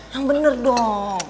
yang bener dong